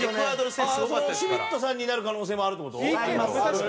シュミットさんになる可能性もあるって事？あります。